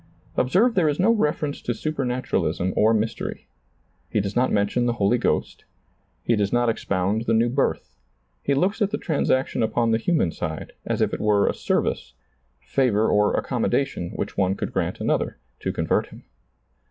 Observe there is no reference to supernaturalism or mystery. He does not mention the Holy Ghost ; he does not expound the new birth ; he looks at the transaction upon the human side, as if it were a service, favor or accommodation which one could grant another, to convert him.